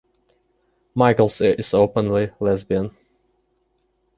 Michaels is openly lesbian.